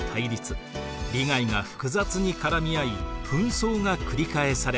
利害が複雑に絡み合い紛争が繰り返されました。